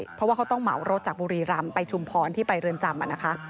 เพราะว่าเขาต้องเหมารถจากบุรีรำไปชุมพรที่ไปเรือนจำนะคะ